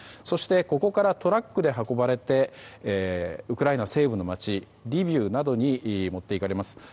そして、ここからトラックで運ばれてウクライナ西部の街リビウなどに持っていかれます。